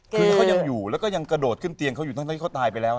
คือเขายังอยู่แล้วก็ยังกระโดดขึ้นเตียงเขาอยู่ทั้งที่เขาตายไปแล้ว